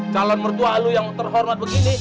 calon mertua alu yang terhormat begini